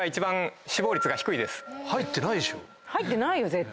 入ってないよ絶対。